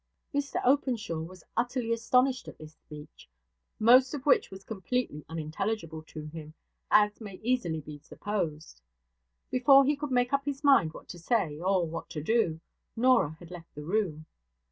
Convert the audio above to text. Mr Openshaw was utterly astonished at this speech; most of which was completely unintelligible to him, as may easily be supposed. Before he could make up his mind what to say, or what to do, Norah had left the room.